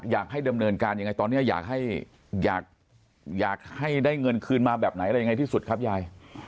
อยากให้ดำเนินการยังไงตอนนี้อยากให้อยากให้ได้เงินคืนมาแบบไหนอะไรยังไงที่สุดครับยาย